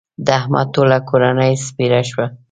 د احمد ټوله کورنۍ سپېره شوه.